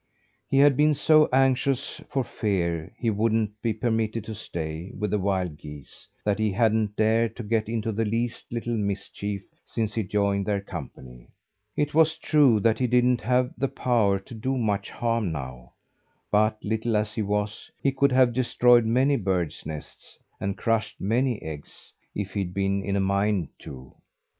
He had been so anxious for fear he wouldn't be permitted to stay with the wild geese, that he hadn't dared to get into the least little mischief since he joined their company. It was true that he didn't have the power to do much harm now, but, little as he was, he could have destroyed many birds' nests, and crushed many eggs, if he'd been in a mind to.